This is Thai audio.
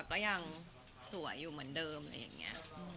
ก็ยังสวยอยู่เหมือนเดิมอะไรอย่างนี้